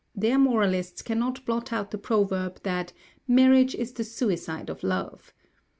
Their moralists cannot blot out the proverb that 'Marriage is the suicide of love.'